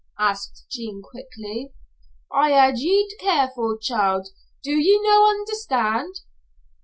asked Jean, quickly. "I had ye to care for, child. Do ye no' understand?"